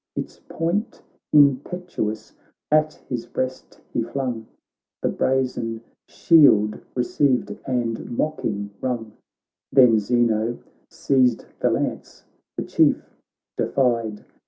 Its point impetuous at his breast he flung. The brazen shield received, and mocking rung; Then Zeno seized the lance, the Chief defied.